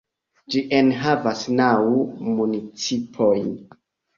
Ĝi enhavas naŭ municipojn.